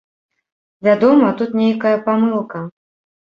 Вядома, тут нейкая памылка.